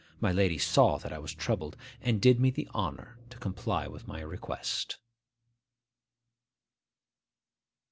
My lady saw that I was troubled, and did me the honour to comply with my request.